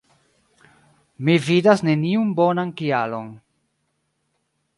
Mi vidas neniun bonan kialon...